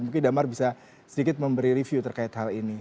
mungkin damar bisa sedikit memberi review terkait hal ini